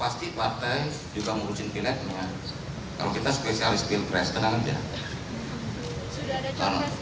sudah ada dikasih maen apa